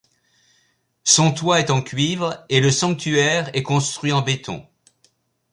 Son toit est en cuivre et le sanctuaire est construit en béton.